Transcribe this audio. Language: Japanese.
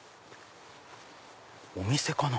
お店かな。